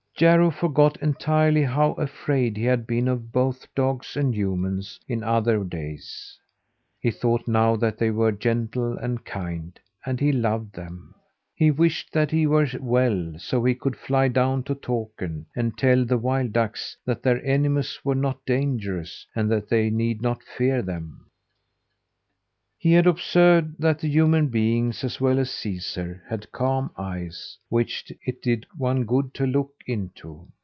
Jarro forgot entirely how afraid he had been of both dogs and humans in other days. He thought now that they were gentle and kind, and he loved them. He wished that he were well, so he could fly down to Takern and tell the wild ducks that their enemies were not dangerous, and that they need not fear them. He had observed that the human beings, as well as Caesar, had calm eyes, which it did one good to look into.